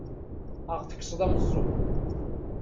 Ad aɣ-tekkseḍ ameẓẓuɣ!